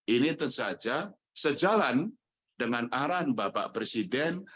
ini tentu saja sejalan dengan arahan bapak presiden